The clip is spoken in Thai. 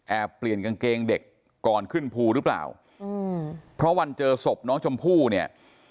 เปลี่ยนกางเกงเด็กก่อนขึ้นภูหรือเปล่าอืมเพราะวันเจอศพน้องชมพู่เนี่ย